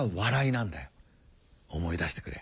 思い出してくれ。